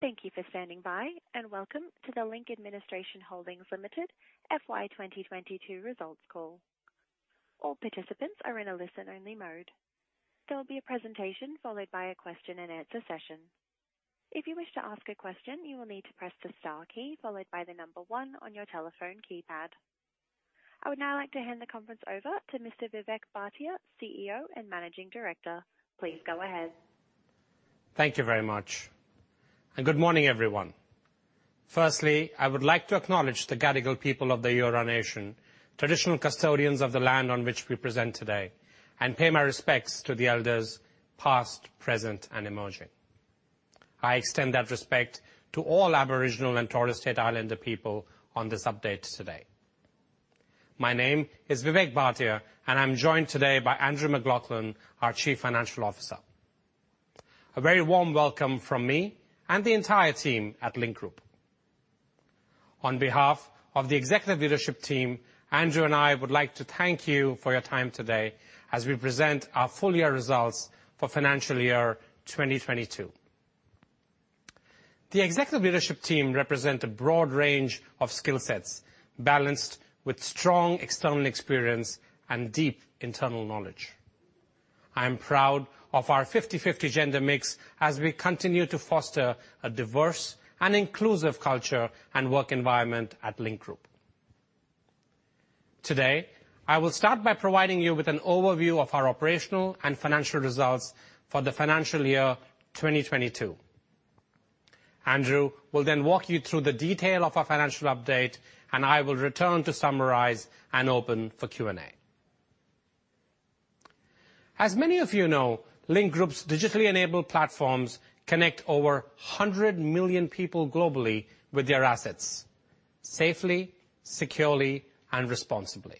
Thank you for standing by, and welcome to the Link Administration Holdings Limited FY 2022 results call. All participants are in a listen-only mode. There will be a presentation followed by a question and answer session. If you wish to ask a question, you will need to press the star key followed by the number one on your telephone keypad. I would now like to hand the conference over to Mr. Vivek Bhatia, CEO and Managing Director. Please go ahead. Thank you very much. Good morning, everyone. Firstly, I would like to acknowledge the Gadigal people of the Eora Nation, traditional custodians of the land on which we present today, and pay my respects to the elders past, present, and emerging. I extend that respect to all Aboriginal and Torres Strait Islander people on this update today. My name is Vivek Bhatia, and I'm joined today by Andrew MacLachlan, our Chief Financial Officer. A very warm welcome from me and the entire team at Link Group. On behalf of the executive leadership team, Andrew and I would like to thank you for your time today as we present our full year results for financial year 2022. The executive leadership team represent a broad range of skill sets, balanced with strong external experience and deep internal knowledge. I am proud of our 50/50 gender mix as we continue to foster a diverse and inclusive culture and work environment at Link Group. Today, I will start by providing you with an overview of our operational and financial results for the financial year 2022. Andrew will then walk you through the detail of our financial update, and I will return to summarize and open for Q&A. As many of you know, Link Group's digitally enabled platforms connect over 100 million people globally with their assets safely, securely, and responsibly.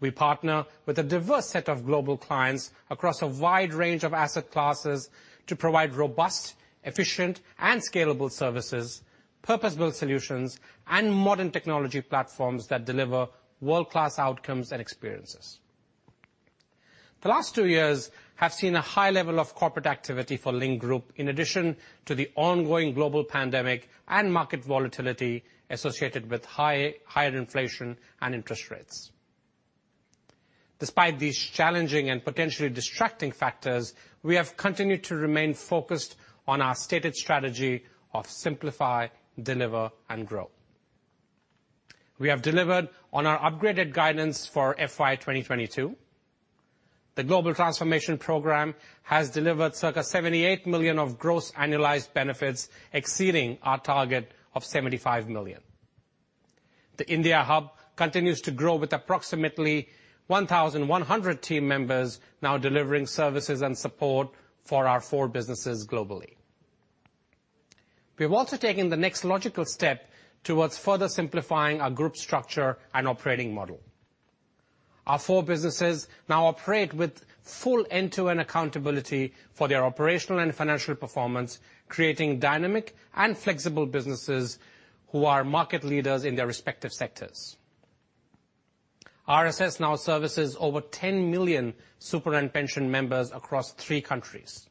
We partner with a diverse set of global clients across a wide range of asset classes to provide robust, efficient, and scalable services, purpose-built solutions, and modern technology platforms that deliver world-class outcomes and experiences. The last 2 years have seen a high level of corporate activity for Link Group, in addition to the ongoing global pandemic and market volatility associated with higher inflation and interest rates. Despite these challenging and potentially distracting factors, we have continued to remain focused on our stated strategy of simplify, deliver, and grow. We have delivered on our upgraded guidance for FY 2022. The Global Transformation Program has delivered circa 78 million of gross annualized benefits, exceeding our target of 75 million. The India Hub continues to grow with approximately 1,100 team members now delivering services and support for our four businesses globally. We have also taken the next logical step towards further simplifying our group structure and operating model. Our four businesses now operate with full end-to-end accountability for their operational and financial performance, creating dynamic and flexible businesses who are market leaders in their respective sectors. RSS now services over 10 million superannuation pension members across three countries.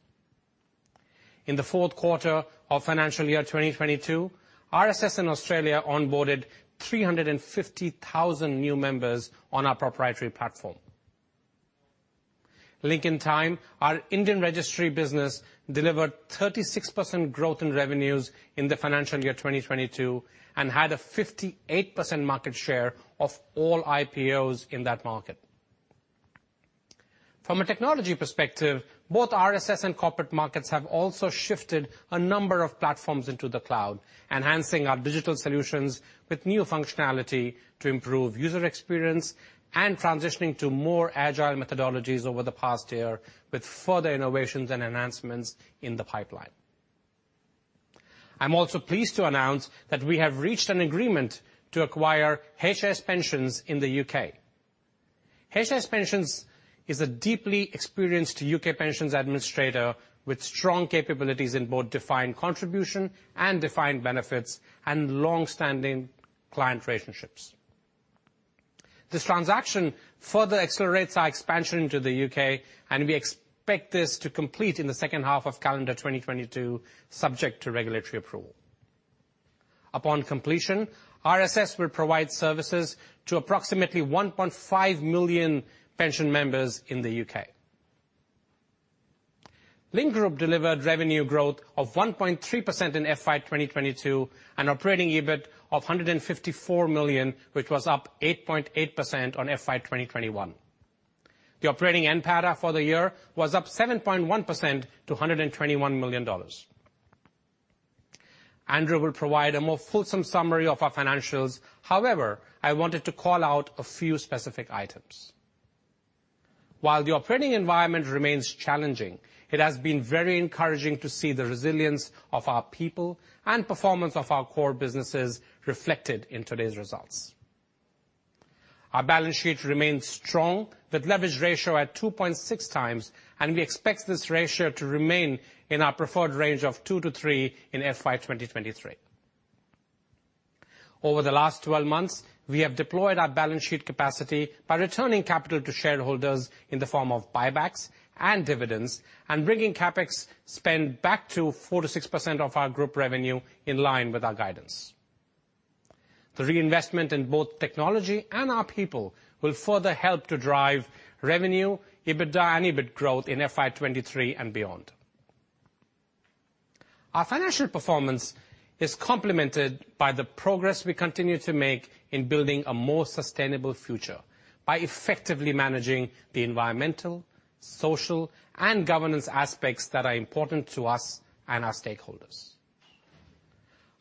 In the fourth quarter of financial year 2022, RSS in Australia onboarded 350,000 new members on our proprietary platform. Link Intime, our Indian registry business, delivered 36% growth in revenues in the financial year 2022 and had a 58% market share of all IPOs in that market. From a technology perspective, both RSS and Corporate Markets have also shifted a number of platforms into the cloud, enhancing our digital solutions with new functionality to improve user experience and transitioning to more agile methodologies over the past year with further innovations and enhancements in the pipeline. I'm also pleased to announce that we have reached an agreement to acquire HS Pensions in the U.K. HS Pensions is a deeply experienced U.K. pensions administrator with strong capabilities in both defined contribution and defined benefit, and long-standing client relationships. This transaction further accelerates our expansion into the U.K., and we expect this to complete in the second half of calendar 2022, subject to regulatory approval. Upon completion, RSS will provide services to approximately 1.5 million pension members in the U.K. Link Group delivered revenue growth of 1.3% in FY 2022 and operating EBIT of 154 million, which was up 8.8% on FY 2021. The operating NPATA for the year was up 7.1% to 121 million dollars. Andrew will provide a more fulsome summary of our financials. However, I wanted to call out a few specific items. While the operating environment remains challenging, it has been very encouraging to see the resilience of our people and performance of our core businesses reflected in today's results. Our balance sheet remains strong with leverage ratio at 2.6x, and we expect this ratio to remain in our preferred range of 2-3 in FY 2023. Over the last 12 months, we have deployed our balance sheet capacity by returning capital to shareholders in the form of buybacks and dividends, and bringing CapEx spend back to 4%-6% of our group revenue, in line with our guidance. The reinvestment in both technology and our people will further help to drive revenue, EBITDA, and EBIT growth in FY 2023 and beyond. Our financial performance is complemented by the progress we continue to make in building a more sustainable future by effectively managing the environmental, social, and governance aspects that are important to us and our stakeholders.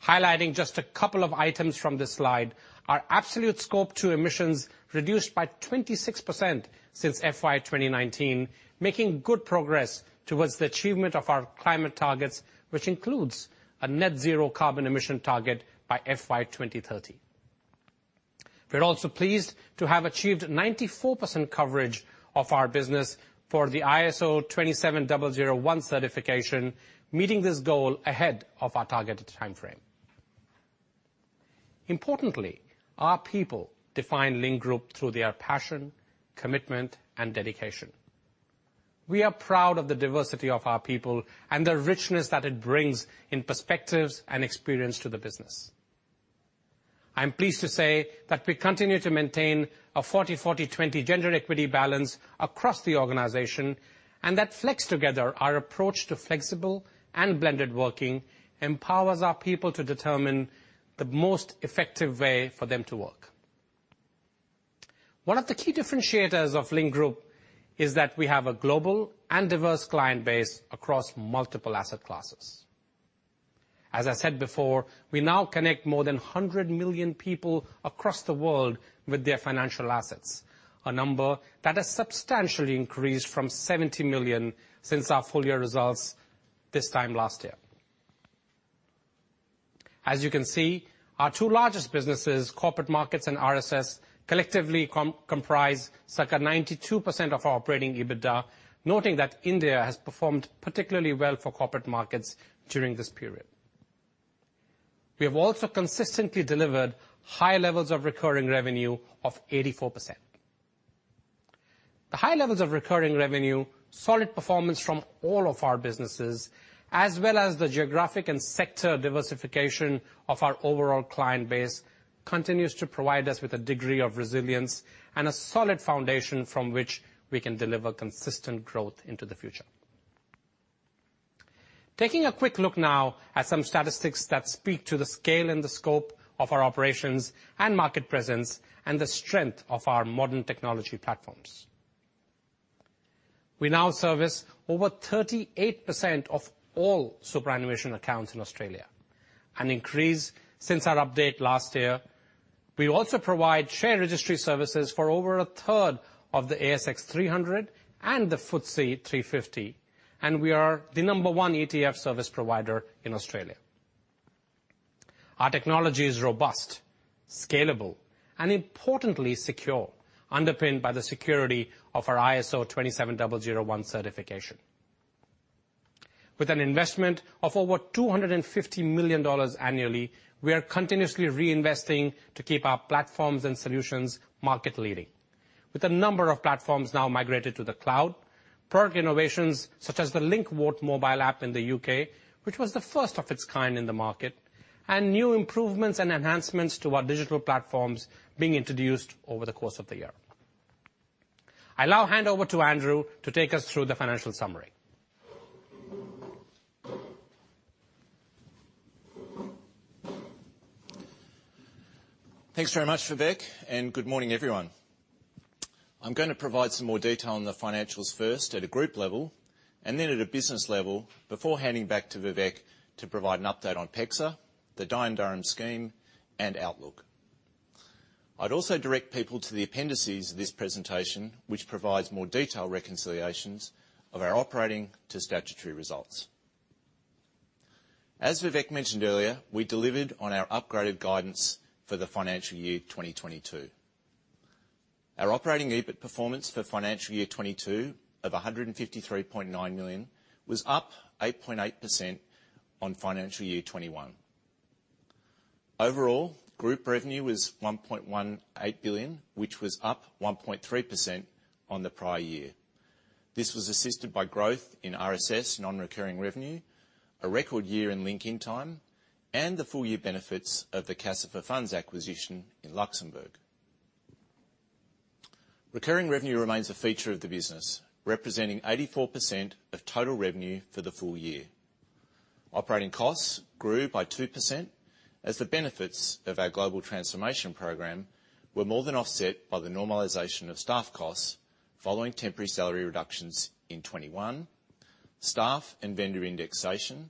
Highlighting just a couple of items from this slide, our absolute Scope 2 emissions reduced by 26% since FY 2019, making good progress towards the achievement of our climate targets, which includes a net zero carbon emission target by FY 2030. We're also pleased to have achieved 94% coverage of our business for the ISO 27001 certification, meeting this goal ahead of our targeted timeframe. Importantly, our people define Link Group through their passion, commitment, and dedication. We are proud of the diversity of our people and the richness that it brings in perspectives and experience to the business. I am pleased to say that we continue to maintain a 40/40/20 gender equity balance across the organization, and that Flex Together, our approach to flexible and blended working, empowers our people to determine the most effective way for them to work. One of the key differentiators of Link Group is that we have a global and diverse client base across multiple asset classes. As I said before, we now connect more than 100 million people across the world with their financial assets, a number that has substantially increased from 70 million since our full year results this time last year. As you can see, our two largest businesses, Corporate Markets and RSS, collectively comprise circa 92% of our operating EBITDA, noting that India has performed particularly well for Corporate Markets during this period. We have also consistently delivered high levels of recurring revenue of 84%. The high levels of recurring revenue, solid performance from all of our businesses, as well as the geographic and sector diversification of our overall client base, continues to provide us with a degree of resilience and a solid foundation from which we can deliver consistent growth into the future. Taking a quick look now at some statistics that speak to the scale and the scope of our operations and market presence and the strength of our modern technology platforms. We now service over 38% of all superannuation accounts in Australia, an increase since our update last year. We also provide share registry services for over a 1/3 of the ASX 300 and the FTSE 350, and we are the number one ETF service provider in Australia. Our technology is robust, scalable, and importantly secure, underpinned by the security of our ISO 27001 certification. With an investment of over 250 million dollars annually, we are continuously reinvesting to keep our platforms and solutions market leading. With a number of platforms now migrated to the cloud, product innovations, such as the VOTE+ mobile app in the U.K., which was the first of its kind in the market, and new improvements and enhancements to our digital platforms being introduced over the course of the year. I now hand over to Andrew to take us through the financial summary. Thanks very much, Vivek, and good morning, everyone. I'm gonna provide some more detail on the financials first at a group level, and then at a business level before handing back to Vivek to provide an update on PEXA, the Dye & Durham scheme, and outlook. I'd also direct people to the appendices of this presentation, which provides more detailed reconciliations of our operating to statutory results. Vivek mentioned earlier, we delivered on our upgraded guidance for the financial year 2022. Our operating EBIT performance for financial year 2022 of 153.9 million was up 8.8% on financial year 2021. Overall, group revenue was AUD 1.18 billion, which was up 1.3% on the prior year. This was assisted by growth in RSS non-recurring revenue, a record year in Link Intime, and the full year benefits of the CACEIS Funds acquisition in Luxembourg. Recurring revenue remains a feature of the business, representing 84% of total revenue for the full year. Operating costs grew by 2% as the benefits of our Global Transformation Program were more than offset by the normalization of staff costs following temporary salary reductions in 2021, staff and vendor indexation,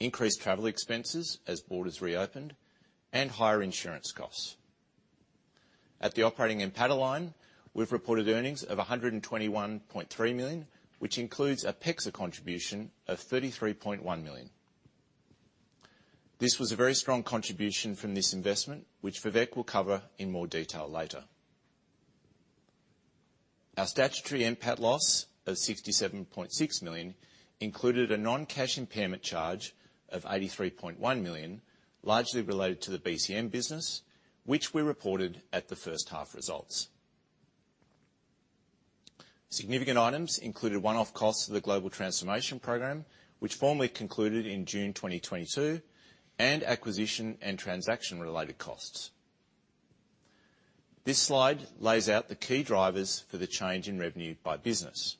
increased travel expenses as borders reopened, and higher insurance costs. At the operating EBITDA line, we've reported earnings of 121.3 million, which includes a PEXA contribution of 33.1 million. This was a very strong contribution from this investment, which Vivek will cover in more detail later. Our statutory NPAT loss of 67.6 million included a non-cash impairment charge of 83.1 million, largely related to the BCM business, which we reported at the first half results. Significant items included one-off costs of the global transformation program, which formally concluded in June 2022, and acquisition and transaction-related costs. This slide lays out the key drivers for the change in revenue by business.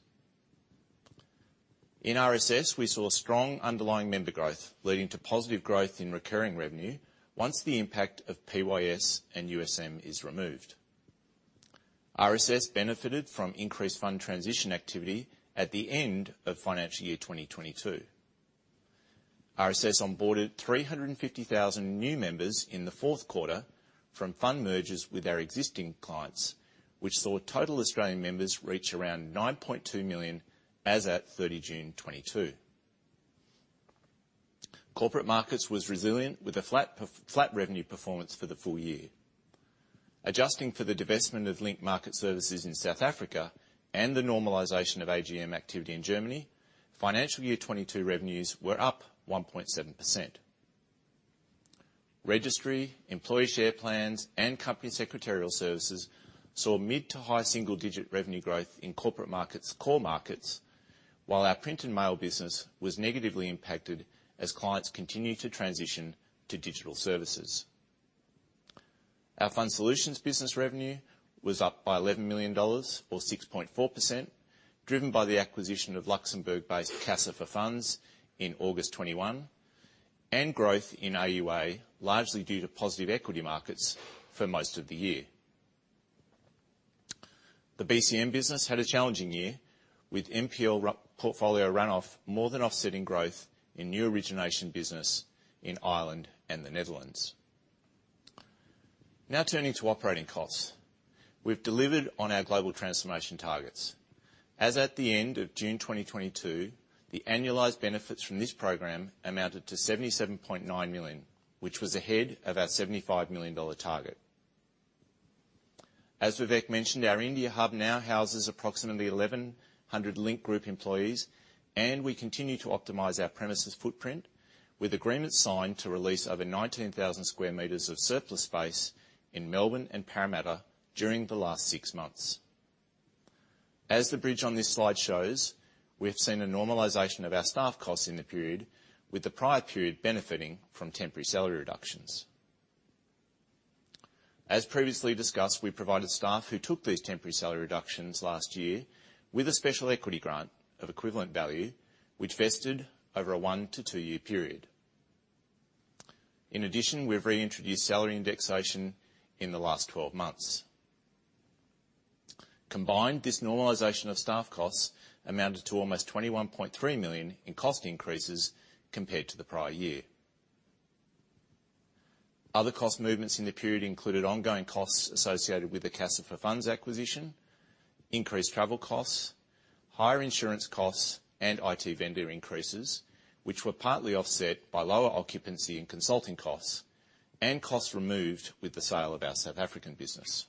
In RSS, we saw strong underlying member growth leading to positive growth in recurring revenue once the impact of PYS and USM is removed. RSS benefited from increased fund transition activity at the end of financial year 2022. RSS onboarded 350,000 new members in the fourth quarter from fund mergers with our existing clients, which saw total Australian members reach around 9.2 million as at 30 June, 2022. Corporate Markets was resilient, with a flat revenue performance for the full year. Adjusting for the divestment of Link Market Services in South Africa and the normalization of AGM activity in Germany, financial year 2022 revenues were up 1.7%. Registry, employee share plans, and company secretarial services saw mid- to high single-digit revenue growth in Corporate Markets core markets, while our print and mail business was negatively impacted as clients continued to transition to digital services. Our Fund Solutions business revenue was up by 11 million dollars, or 6.4%, driven by the acquisition of Luxembourg-based CACEIS in August 2021, and growth in AUA, largely due to positive equity markets for most of the year. The BCM business had a challenging year with NPL portfolio run-off more than offsetting growth in new origination business in Ireland and the Netherlands. Now turning to operating costs. We've delivered on our Global Transformation Program targets. As at the end of June 2022, the annualized benefits from this program amounted to AUD 77.9 million, which was ahead of our AUD 75 million target. As Vivek mentioned, our India hub now houses approximately 1,100 Link Group employees, and we continue to optimize our premises footprint with agreement signed to release over 19,000 square meters of surplus space in Melbourne and Parramatta during the last 6 months. As the bridge on this slide shows, we've seen a normalization of our staff costs in the period, with the prior period benefiting from temporary salary reductions. As previously discussed, we provided staff who took these temporary salary reductions last year with a special equity grant of equivalent value, which vested over a 1-2-year period. In addition, we've reintroduced salary indexation in the last 12 months. Combined, this normalization of staff costs amounted to almost 21.3 million in cost increases compared to the prior year. Other cost movements in the period included ongoing costs associated with the CACEIS acquisition, increased travel costs, higher insurance costs, and IT vendor increases, which were partly offset by lower occupancy and consulting costs and costs removed with the sale of our South African business.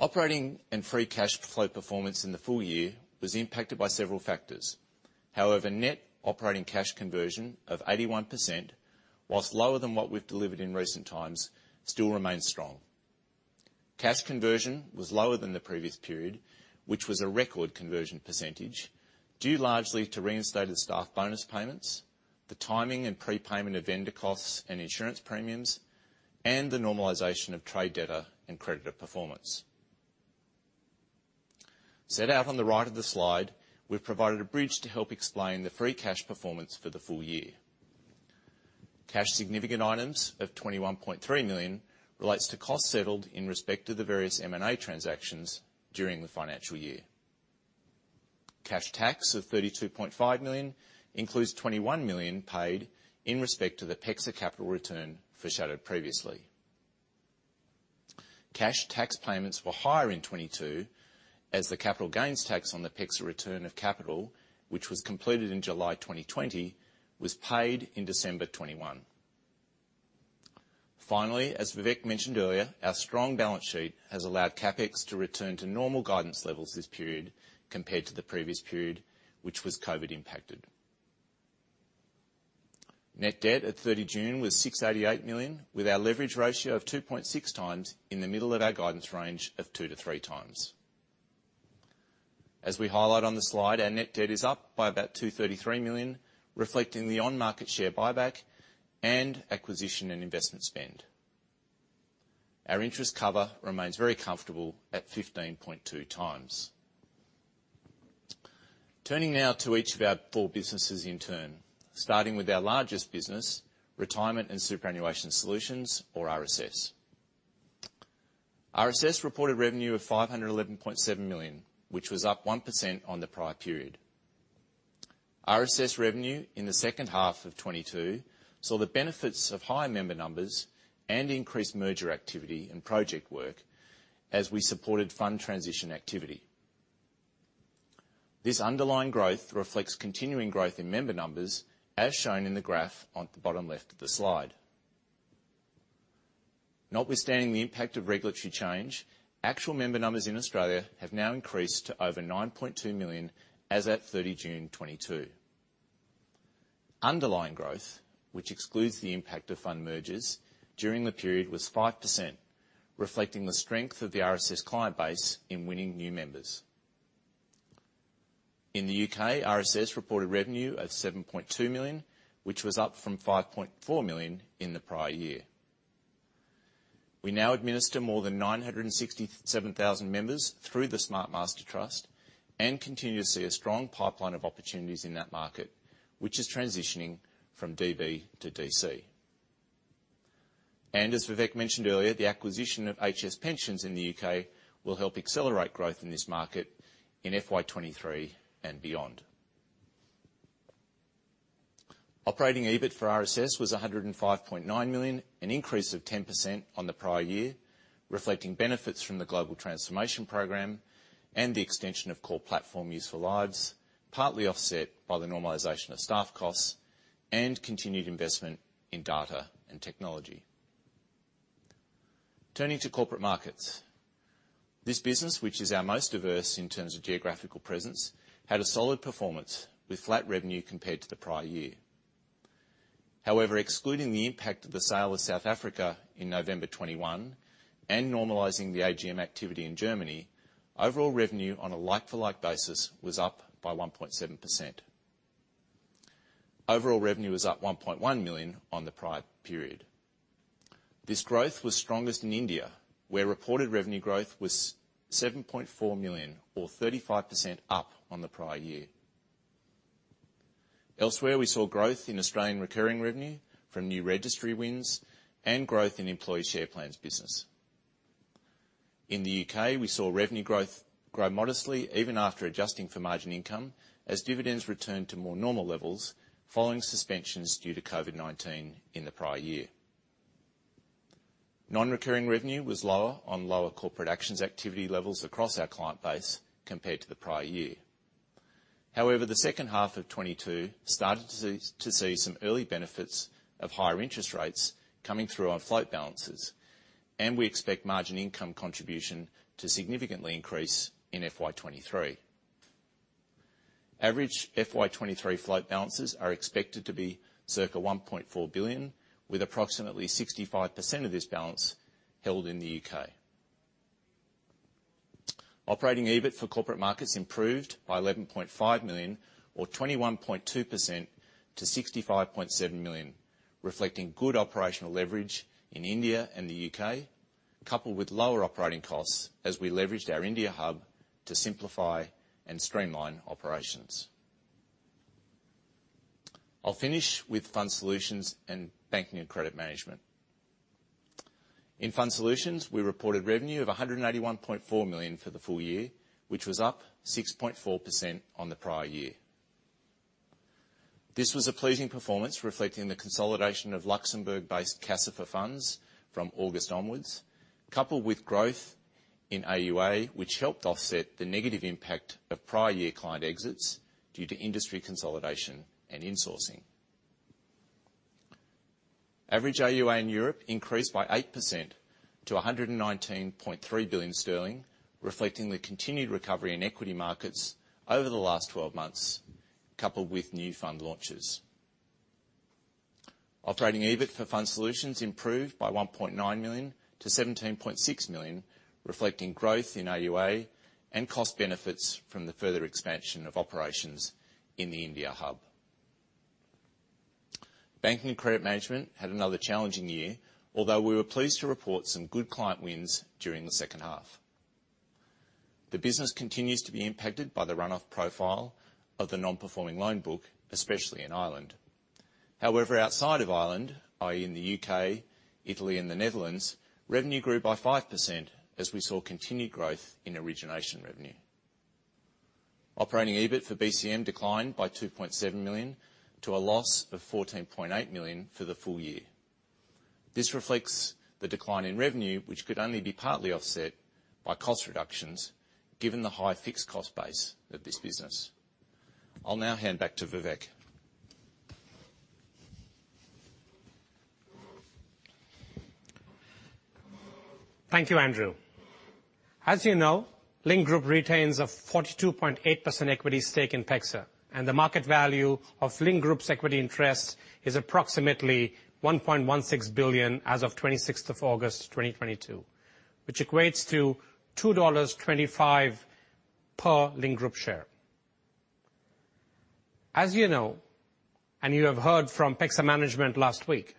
Operating and free cash flow performance in the full year was impacted by several factors. However, net operating cash conversion of 81%, while lower than what we've delivered in recent times, still remains strong. Cash conversion was lower than the previous period, which was a record conversion percentage, due largely to reinstated staff bonus payments, the timing and prepayment of vendor costs and insurance premiums, and the normalization of trade debtor and creditor performance. Set out on the right of the slide, we've provided a bridge to help explain the free cash performance for the full year. Cash significant items of 21.3 million relates to costs settled in respect to the various M&A transactions during the financial year. Cash tax of 32.5 million includes 21 million paid in respect to the PEXA capital return foreshadowed previously. Cash tax payments were higher in 2022 as the capital gains tax on the PEXA return of capital, which was completed in July 2020, was paid in December 2021. Finally, as Vivek mentioned earlier, our strong balance sheet has allowed CapEx to return to normal guidance levels this period compared to the previous period, which was COVID-impacted. Net debt at 30 June was 688 million, with our leverage ratio of 2.6x in the middle of our guidance range of 2x-3x. As we highlight on the slide, our net debt is up by about 233 million, reflecting the on-market share buyback and acquisition and investment spend. Our interest cover remains very comfortable at 15.2x. Turning now to each of our four businesses in turn, starting with our largest business, Retirement & Superannuation Solutions, or RSS. RSS reported revenue of 511.7 million, which was up 1% on the prior period. RSS revenue in the second half of 2022 saw the benefits of higher member numbers and increased merger activity and project work as we supported fund transition activity. This underlying growth reflects continuing growth in member numbers, as shown in the graph on the bottom left of the slide. Notwithstanding the impact of regulatory change, actual member numbers in Australia have now increased to over 9.2 million as at 30 June 2022. Underlying growth, which excludes the impact of fund mergers during the period was 5%, reflecting the strength of the RSS client base in winning new members. In the U.K., RSS reported revenue of 7.2 million, which was up from 5.4 million in the prior year. We now administer more than 967,000 members through the Smart Pension Master Trust and continue to see a strong pipeline of opportunities in that market, which is transitioning from DB to DC. As Vivek mentioned earlier, the acquisition of HS Pensions in the U.K. will help accelerate growth in this market in FY 2023 and beyond. Operating EBIT for RSS was 105.9 million, an increase of 10% on the prior year, reflecting benefits from the Global Transformation Program and the extension of core platform use for lives, partly offset by the normalization of staff costs and continued investment in data and technology. Turning to Corporate Markets. This business, which is our most diverse in terms of geographical presence, had a solid performance with flat revenue compared to the prior year. However, excluding the impact of the sale of South Africa in November 2021 and normalizing the AGM activity in Germany, overall revenue on a like-for-like basis was up by 1.7%. Overall revenue was up 1.1 million on the prior period. This growth was strongest in India, where reported revenue growth was 7.4 million or 35% up on the prior year. Elsewhere, we saw growth in Australian recurring revenue from new registry wins and growth in employee share plans business. In the U.K., we saw revenue growth modestly even after adjusting for margin income as dividends returned to more normal levels following suspensions due to COVID-19 in the prior year. Non-recurring revenue was lower on lower corporate actions activity levels across our client base compared to the prior year. However, the second half of 2022 started to see some early benefits of higher interest rates coming through on float balances, and we expect margin income contribution to significantly increase in FY 2023. Average FY 2023 float balances are expected to be circa 1.4 billion, with approximately 65% of this balance held in the U.K. Operating EBIT for Corporate Markets improved by 11.5 million or 21.2% to 65.7 million, reflecting good operational leverage in India and the U.K., coupled with lower operating costs as we leveraged our India hub to simplify and streamline operations. I'll finish with Fund Solutions and Banking and Credit Management. In Fund Solutions, we reported revenue of 181.4 million for the full year, which was up 6.4% on the prior year. This was a pleasing performance reflecting the consolidation of Luxembourg-based CACEIS funds from August onwards, coupled with growth in AUA, which helped offset the negative impact of prior year client exits due to industry consolidation and insourcing. Average AUA in Europe increased by 8% to 119.3 billion sterling, reflecting the continued recovery in equity markets over the last 12 months, coupled with new fund launches. Operating EBIT for Fund Solutions improved by 1.9 million to 17.6 million, reflecting growth in AUA and cost benefits from the further expansion of operations in the India hub. Banking and Credit Management had another challenging year, although we were pleased to report some good client wins during the second half. The business continues to be impacted by the run-off profile of the non-performing loan book, especially in Ireland. However, outside of Ireland, i.e., in the U.K., Italy and the Netherlands, revenue grew by 5% as we saw continued growth in origination revenue. Operating EBIT for BCM declined by 2.7 million to a loss of 14.8 million for the full year. This reflects the decline in revenue, which could only be partly offset by cost reductions given the high fixed cost base of this business. I'll now hand back to Vivek. Thank you, Andrew. As you know, Link Group retains a 42.8% equity stake in PEXA, and the market value of Link Group's equity interest is approximately 1.16 billion as of 26th of August 2022, which equates to 2.25 dollars per Link Group share. As you know, and you have heard from PEXA management last week,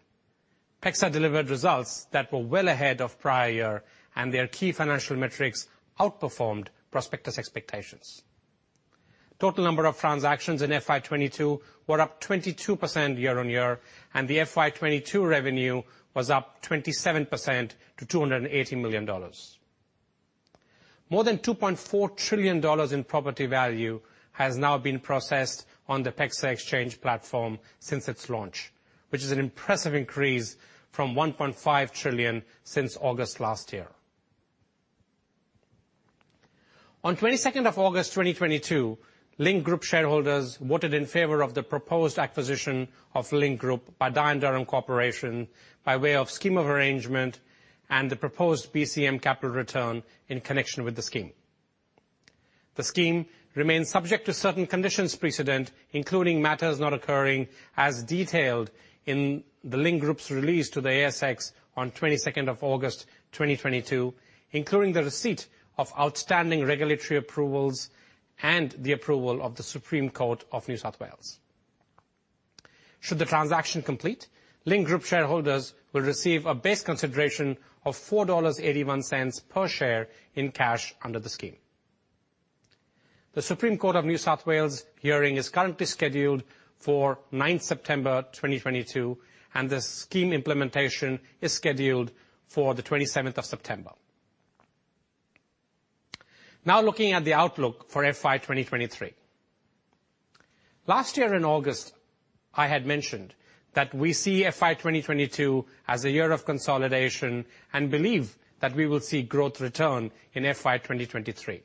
PEXA delivered results that were well ahead of prior year, and their key financial metrics outperformed prospectus expectations. Total number of transactions in FY 2022 were up 22% year-on-year, and the FY 2022 revenue was up 27% to 280 million dollars. More than 2.4 trillion dollars in property value has now been processed on the PEXA Exchange platform since its launch, which is an impressive increase from 1.5 trillion since August last year. On the 22nd of August 2022, Link Group shareholders voted in favor of the proposed acquisition of Link Group by Dye & Durham Corporation by way of scheme of arrangement and the proposed BCM capital return in connection with the scheme. The scheme remains subject to certain conditions precedent, including matters not occurring as detailed in the Link Group's release to the ASX on the 22nd of August 2022, including the receipt of outstanding regulatory approvals and the approval of the Supreme Court of New South Wales. Should the transaction complete, Link Group shareholders will receive a base consideration of 4.81 dollars per share in cash under the scheme. The Supreme Court of New South Wales hearing is currently scheduled for 9th September, 2022, and the scheme implementation is scheduled for the 27th of September. Now looking at the outlook for FY 2023. Last year in August, I had mentioned that we see FY 2022 as a year of consolidation and believe that we will see growth return in FY 2023.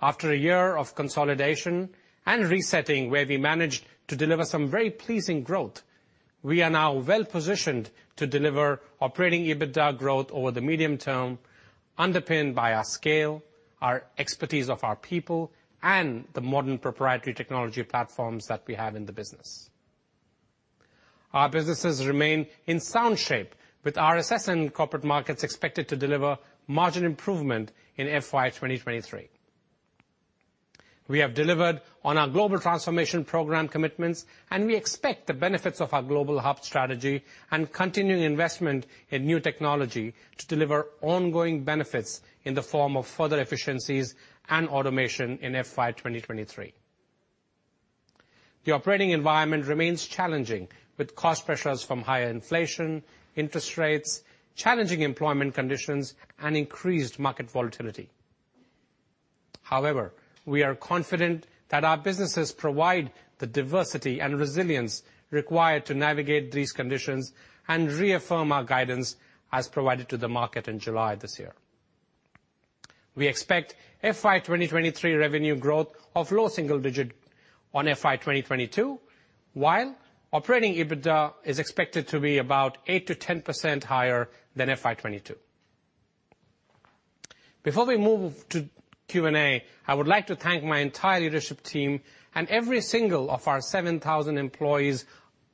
After a year of consolidation and resetting, where we managed to deliver some very pleasing growth, we are now well-positioned to deliver operating EBITDA growth over the medium term, underpinned by our scale, our expertise of our people, and the modern proprietary technology platforms that we have in the business. Our businesses remain in sound shape, with RSS and Corporate Markets expected to deliver margin improvement in FY 2023. We have delivered on our Global Transformation Program commitments, and we expect the benefits of our global hub strategy and continuing investment in new technology to deliver ongoing benefits in the form of further efficiencies and automation in FY 2023. The operating environment remains challenging, with cost pressures from higher inflation, interest rates, challenging employment conditions, and increased market volatility. However, we are confident that our businesses provide the diversity and resilience required to navigate these conditions and reaffirm our guidance as provided to the market in July this year. We expect FY 2023 revenue growth of low single-digit% on FY 2022, while operating EBITDA is expected to be about 8%-10% higher than FY 2022. Before we move to Q&A, I would like to thank my entire leadership team and every single one of our 7,000 employees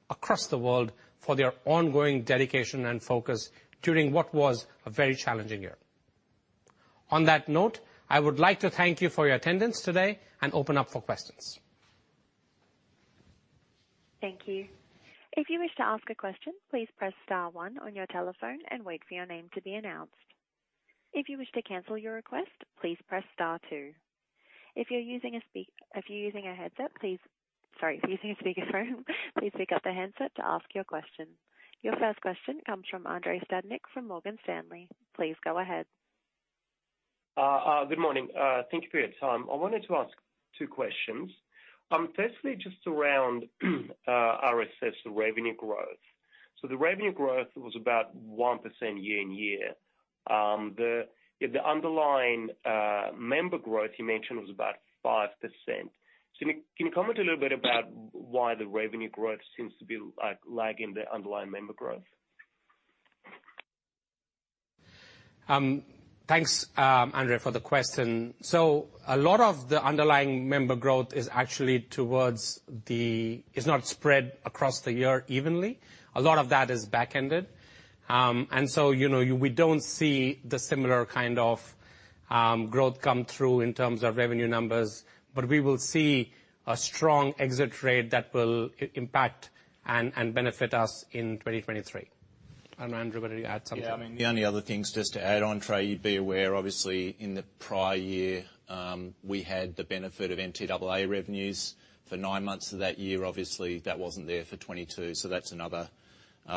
across the world for their ongoing dedication and focus during what was a very challenging year. On that note, I would like to thank you for your attendance today and open up for questions. Thank you. If you wish to ask a question, please press star one on your telephone and wait for your name to be announced. If you wish to cancel your request, please press star two. If you're using a speakerphone, please pick up the handset to ask your question. Your first question comes from Andrei Stadnik from Morgan Stanley. Please go ahead. Good morning. Thank you for your time. I wanted to ask two questions. Firstly, just around RSS revenue growth. The revenue growth was about 1% year-on-year. The underlying member growth you mentioned was about 5%. Can you comment a little bit about why the revenue growth seems to be, like, lagging the underlying member growth? Thanks, Andrei, for the question. A lot of the underlying member growth is actually not spread across the year evenly. A lot of that is back-ended. You know, we don't see the similar kind of growth come through in terms of revenue numbers, but we will see a strong exit rate that will impact and benefit us in 2023. I don't know, Andrew, whether you add something. Yeah, I mean, the only other things just to add on, Andrei, you'd be aware, obviously, in the prior year, we had the benefit of MTAA revenues for nine months of that year. Obviously, that wasn't there for 2022. That's another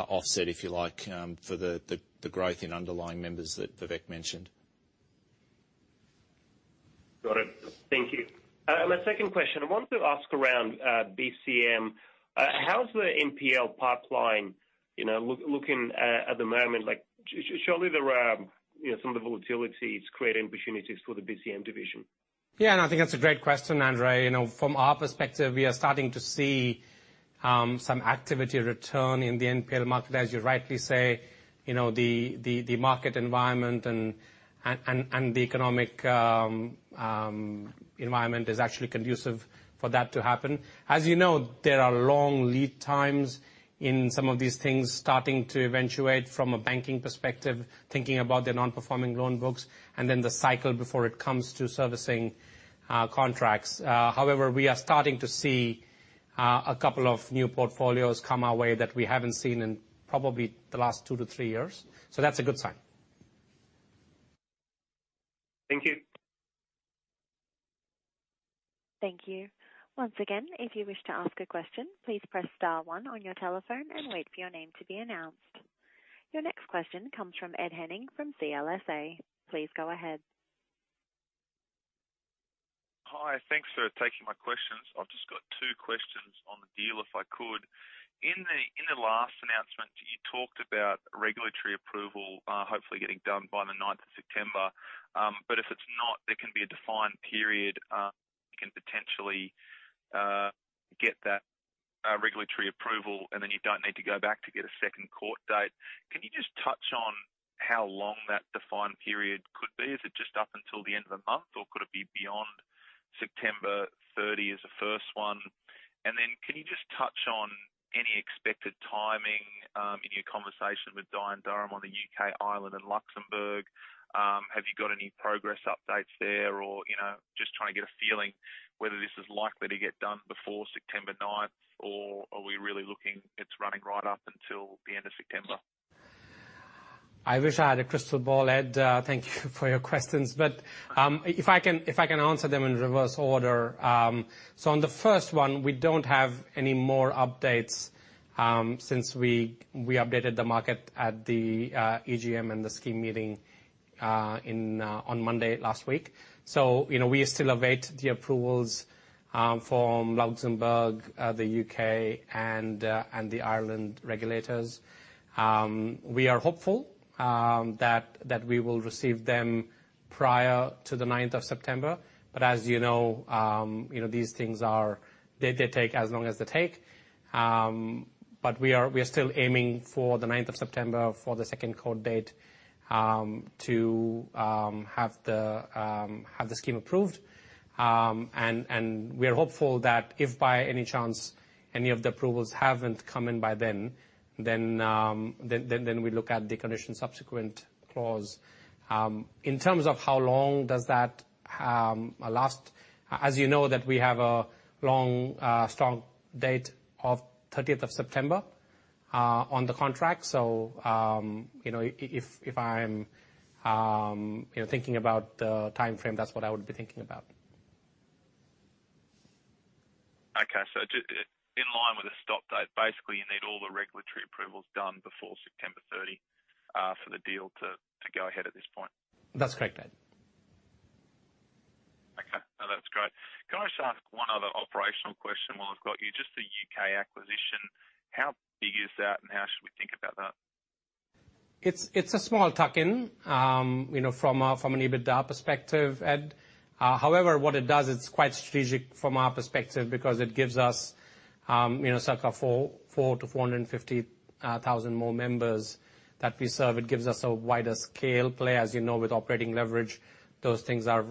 offset, if you like, for the growth in underlying members that Vivek mentioned. Got it. Thank you. My second question, I want to ask around BCM. How's the NPL pipeline, you know, looking at the moment? Like, surely there are, you know, some of the volatility is creating opportunities for the BCM division. Yeah, I think that's a great question, Andrei. You know, from our perspective, we are starting to see some activity return in the NPL market, as you rightly say. You know, the market environment and the economic environment is actually conducive for that to happen. As you know, there are long lead times in some of these things starting to eventuate from a banking perspective, thinking about their non-performing loan books and then the cycle before it comes to servicing contracts. However, we are starting to see a couple of new portfolios come our way that we haven't seen in probably the last 2-3 years. That's a good sign. Thank you. Thank you. Once again, if you wish to ask a question, please press star one on your telephone and wait for your name to be announced. Your next question comes from Ed Henning from CLSA. Please go ahead. Hi. Thanks for taking my questions. I've just got two questions on the deal, if I could. In the last announcement, you talked about regulatory approval, hopefully getting done by the 9th of September. If it's not, there can be a defined period, you can potentially get that regulatory approval, and then you don't need to go back to get a second court date. Can you just touch on how long that defined period could be? Is it just up until the end of the month, or could it be beyond September 30th as the first one? And then can you just touch on any expected timing in your conversation with Dye & Durham on the U.K., Ireland, and Luxembourg? Have you got any progress updates there or, you know, just trying to get a feeling whether this is likely to get done before September 9th, or are we really looking, it's running right up until the end of September? I wish I had a crystal ball, Ed. Thank you for your questions. If I can answer them in reverse order. On the first one, we don't have any more updates since we updated the market at the AGM and the scheme meeting on Monday last week. You know, we still await the approvals from Luxembourg, the U.K. and the Irish regulators. We are hopeful that we will receive them prior to the 9th of September. As you know, you know, these things take as long as they take. We are still aiming for the 9th of September for the second court date to have the scheme approved. We are hopeful that if by any chance any of the approvals haven't come in by then we look at the condition subsequent clause. In terms of how long does that last, as you know that we have a long-stop date of 13th of September on the contract. You know, if I'm you know thinking about the timeframe, that's what I would be thinking about. In line with the stop date, basically you need all the regulatory approvals done before September 30 for the deal to go ahead at this point. That's correct, Ed. Okay. No, that's great. Can I just ask one other operational question while I've got you? Just the U.K. acquisition, how big is that and how should we think about that? It's a small tuck-in, you know, from an EBITDA perspective, Ed. However, what it does, it's quite strategic from our perspective because it gives us, you know, circa 400,000- 450,000 more members that we serve. It gives us a wider scale play. As you know, with operating leverage, those things are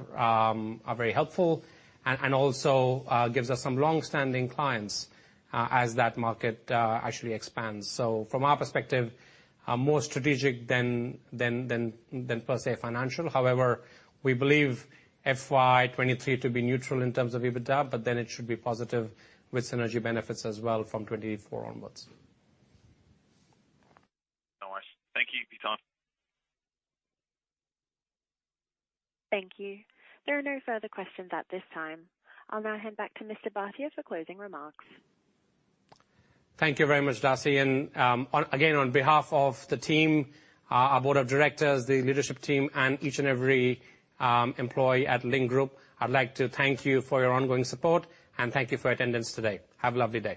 very helpful. And also gives us some long-standing clients as that market actually expands. So from our perspective, more strategic than per se financial. However, we believe FY 2023 to be neutral in terms of EBITDA, but then it should be positive with synergy benefits as well from 2024 onwards. Nice. Thank you, Vivek. Thank you. There are no further questions at this time. I'll now hand back to Mr. Bhatia for closing remarks. Thank you very much, Darcy. Again, on behalf of the team, our board of directors, the leadership team, and each and every employee at Link Group, I'd like to thank you for your ongoing support, and thank you for your attendance today. Have a lovely day.